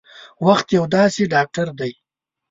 وخت یو داسې ډاکټر دی